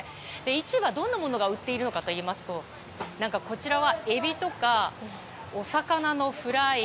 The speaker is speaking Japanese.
市場、どんなものが売っているのかといいますとこちらは、エビとかお魚のフライ。